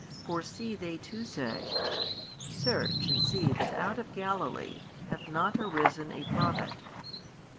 For see they too say, Search and see that out of Galilee hath not arisen a prophet.